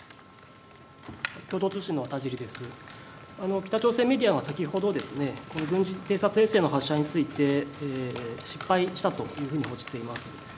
北朝鮮メディアが先ほどですね、この軍事偵察衛星の発射について、失敗したというふうに報じています。